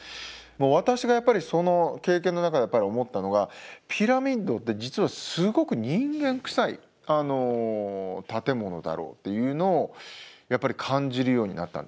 私がやっぱりその経験の中で思ったのがピラミッドって実はすごく人間くさい建物だろうっていうのをやっぱり感じるようになったんですね。